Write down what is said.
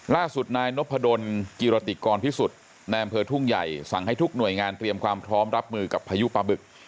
ล่าสุดนายนพดลกิรติกรพิสุทธิ์ในอำเภอทุ่งใหญ่สั่งให้ทุกหน่วยงานเตรียมความพร้อมรับมือกับพายุปลาบึก